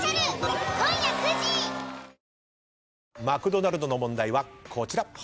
マクドナルドの問題はこちら。